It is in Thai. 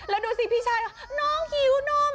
แล้วดูสิพี่ชายน้องหิวนม